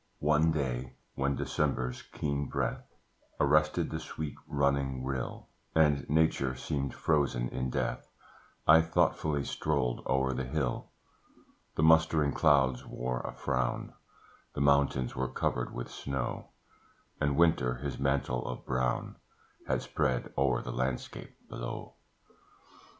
One day, when December's keen breath Arrested the sweet running rill, And Nature seemed frozen in death, I thoughtfully strolled o'er the hill: The mustering clouds wore a frown, The mountains were covered with snow, And Winter his mantle of brown Had spread o'er the landscape below.